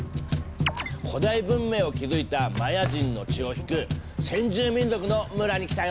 古代文明を築いたマヤ人の血を引く先住民族の村に来たよ。